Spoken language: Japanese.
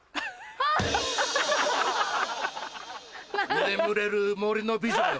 眠れる森の美女よ。